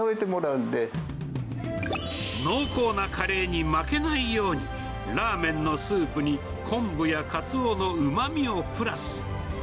濃厚なカレーに負けないように、ラーメンのスープに昆布やカツオのうまみをプラス。